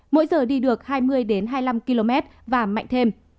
mỗi giờ đi được hai mươi hai mươi năm km và mạnh thêm